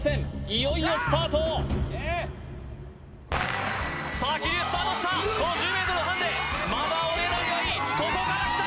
いよいよスタートさあ桐生スタートしたこの１０ｍハンデまだここからきた